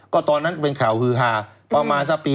ก็ตอนนั้นเป็นข่าวฮือฮาประมาณสักปี